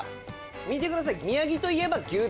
見てください。